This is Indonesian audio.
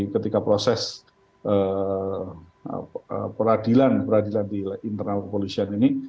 ketika proses peradilan peradilan di internal kepolisian ini